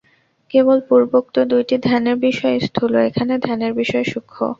কেবল পূর্বোক্ত দুইটি ধ্যানের বিষয় স্থূল, এখানে ধ্যানের বিষয় সূক্ষ্ম।